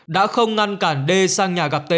đã không ngăn cản đê sang nhà gặp tê